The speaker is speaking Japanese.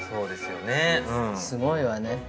すごいわね。